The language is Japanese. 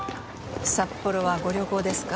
札幌はご旅行ですか？